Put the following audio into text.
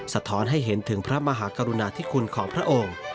สะท้อนให้เห็นถึงพระมหากรุณาธิคุณของพระองค์